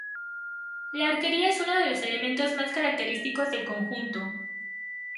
La arquería es uno de los elementos más característicos del conjunto.